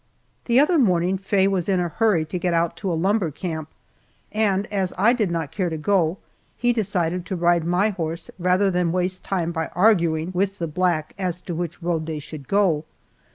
The other morning Faye was in a hurry to get out to a lumber camp and, as I did not care to go, he decided to ride my horse rather than waste time by arguing with the black as to which road they should go.